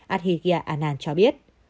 abhigya anand cho biết